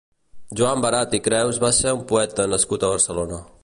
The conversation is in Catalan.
Joan Barat i Creus va ser un poeta nascut a Barcelona.